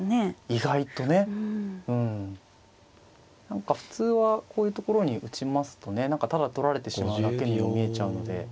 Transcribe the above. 何か普通はこういうところに打ちますとね何かただ取られてしまうだけにも見えちゃうので。